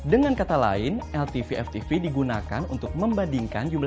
dengan kata lain ltv ftv digunakan untuk membandingkan jumlah peminjam dengan nilai properti yang dibeli